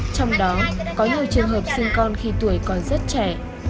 trong đó có nhiều trường hợp sinh con khi tuổi còn rất trẻ